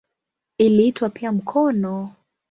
Iliitwa pia "mkono".